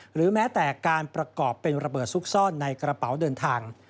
หรือแม้แต่การประกอบเป็นระเบิดซุกซ่อนในกระเป๋าเดินทาง